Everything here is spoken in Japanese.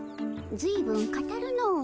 ずいぶん語るのう